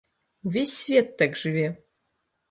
Увесь свет так жыве!